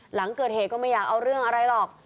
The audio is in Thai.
หลังเกิดเหตุก็ไม่อยากเอาเรื่องอะไรหรอก